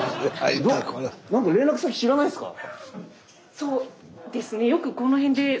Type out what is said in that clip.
そうですね